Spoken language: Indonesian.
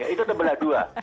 itu tebelah dua